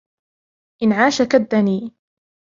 إنْ عَاشَ كَدَّنِي